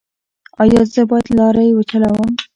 ایا زه باید لارۍ وچلوم؟